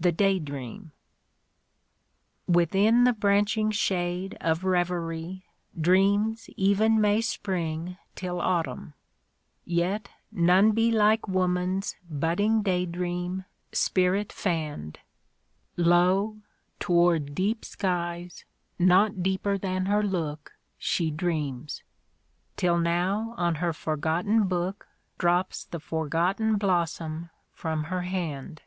The Day dream, Within the branching shade of Reverie Dreams even may spring till autumn ; yet none be Like woman's budding day dream spirit fann*d. Lo ! towVd deep skies, not deeper than her look, She dreams ; till now on her forgotten book Drops the forgotten blossom from her hand.